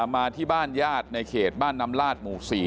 มาที่บ้านญาติในเขตบ้านน้ำลาดหมู่๔